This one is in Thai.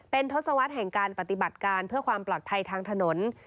เป็นทศวรรษแห่งการปฏิบัติการเพื่อความปลอดภัยทางถนน